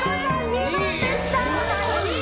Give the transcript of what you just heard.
２番でした！